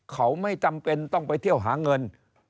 เขาไม่จำเป็นต้องไปเที่ยวหาเงิน